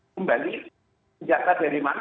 kembali senjata dari mana